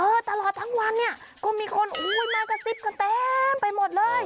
ตลอดทั้งวันเนี่ยก็มีคนอุ้ยมากระซิบกันเต็มไปหมดเลย